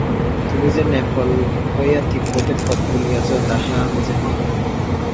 তুমি যে নেপাল হইয়া তিব্বতের পথ বলিয়াছ, তাহা আমি জানি।